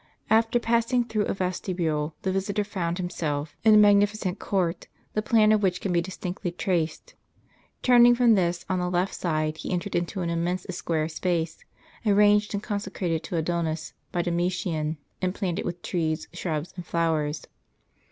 After passing through a vestibule, the visitor found himself in a magnificent court, the plan of which can be distinctly traced. Turning from this, on the left side, he entered into an immense square space, arranged and consecrated to Adonis by Domitian, and planted with trees, shrubs, and flowers.